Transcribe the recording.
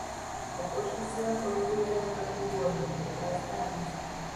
Oposizioak goitik behera ukatu du hori, eta ez da harritzekoa.